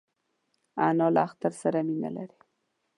انا له اختر سره مینه لري